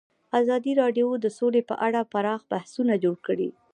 ازادي راډیو د سوله په اړه پراخ بحثونه جوړ کړي.